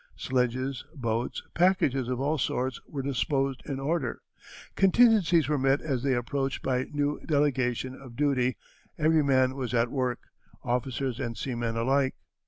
Sledges, boats, packages of all sorts were disposed in order; contingencies were met as they approached by new delegations of duty; every man was at work, officers and seamen alike.